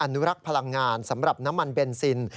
อนุรักษ์พลังงานสำหรับน้ำมันเบนซิน